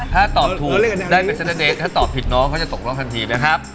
ถ้าตอบถูกได้ไปซะนั่นเองถ้าตอบผิดน้องเขาจะตกร้องทันทีนะครับ